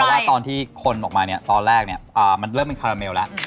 ว่าตอนที่คนบอกมาตอนแรกมันเริ่มเป็นคาราเมลแล้ว